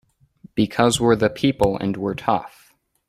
Because we're the people and we're tough!